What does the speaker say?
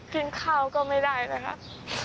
กินข้าวก็ไม่ได้นะครับ